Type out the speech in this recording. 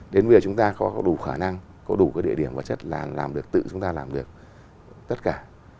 đến việc chúng ta có đủ khả năng có đủ địa điểm vật chất làm được tự chúng ta làm được tất cả